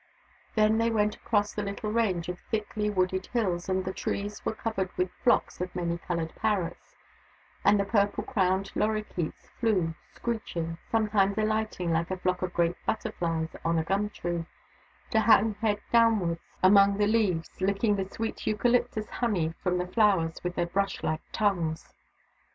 Then they went across a little range of thickly wooded hills, where the trees were covered with flocks of many coloured parrots, and the purple crowned lorikeets flew, screeching — sometimes alighting, like a flock of great butterflies, on a gum tree, to hang head downwards among the 170 THE DAUGHTERS OF WONKAWALA leaves, licking the sweet eucalyptus honey from the flowers with their brush like tongues.